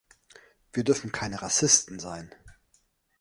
Wir dürfen keine Rassisten sein.